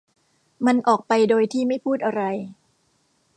มันออกไปโดยที่ไม่พูดอะไร